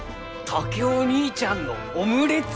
竹雄義兄ちゃんのオムレツ？